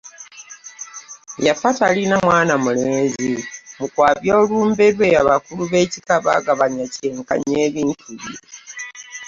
Yafa talina mwana mulenzi, mu kwabya olumbe lwe, abakulu b’ekika baagabanya ky’enkanyi ebintu bye. .